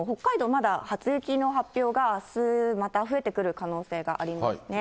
まだ初雪の発表があすまた増えてくる可能性がありますね。